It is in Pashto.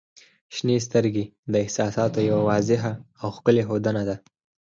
• شنې سترګې د احساساتو یوه واضح او ښکلی ښودنه ده.